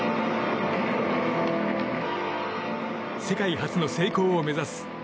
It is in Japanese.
世界初の成功を目指す